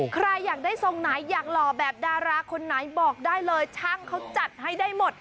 ใครอยากได้ทรงไหนอยากหล่อแบบดาราคนไหนบอกได้เลยช่างเขาจัดให้ได้หมด